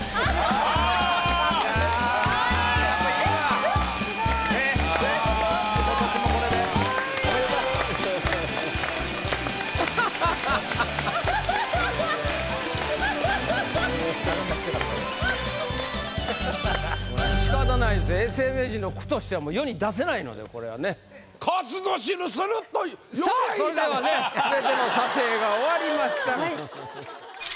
さあそれではね全ての査定が終わりました。